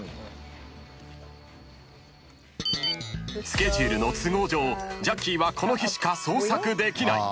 ［スケジュールの都合上ジャッキーはこの日しか捜索できない］